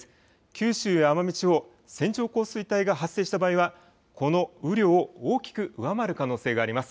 九州や奄美地方、線状降水帯が発生した場合は、この雨量を大きく上回る可能性があります。